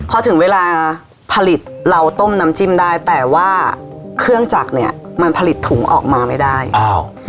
พอถึงเวลาผลิตเราต้มน้ำจิ้มได้แต่ว่าเครื่องจักรเนี้ยมันผลิตถุงออกมาไม่ได้อ้าว